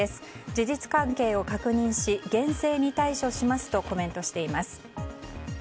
事実関係を確認し厳正に対処しますとコメントしています。